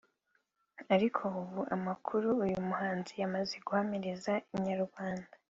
ariko ubu amakuru uyu muhanzi yamaze guhamiriza Inyarwanda